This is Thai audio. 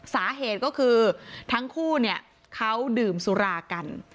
สาเหตุก็คือทั้งคู่เนี่ยเขาดื่มสุรากัน